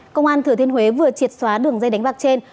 công an thừa thiên huế vừa triệt xóa đường dây đánh bạc trên